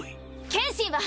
剣心は。